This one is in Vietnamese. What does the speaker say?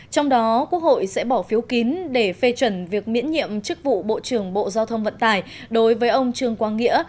trong đó quốc hội sẽ bỏ phiếu kín để phê chuẩn việc miễn nhiệm chức vụ bộ trưởng bộ giao thông vận tải đối với ông trương quang nghĩa